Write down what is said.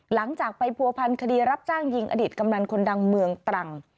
หลังจากไปผัวพันคดีรับจ้างยิงอดีตกำนันคนดังเมืองตรัง